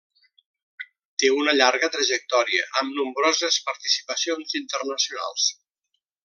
Té una llarga trajectòria, amb nombroses participacions internacionals.